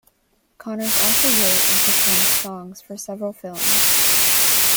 Connors also wrote and performed songs for several films.